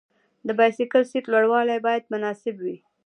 د بایسکل سیټ لوړوالی باید مناسب وي.